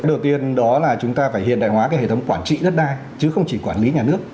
đầu tiên đó là chúng ta phải hiện đại hóa hệ thống quản trị đất đai chứ không chỉ quản lý nhà nước